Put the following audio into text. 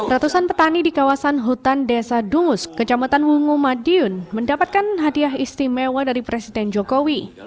ratusan petani di kawasan hutan desa dungus kecamatan wungu madiun mendapatkan hadiah istimewa dari presiden jokowi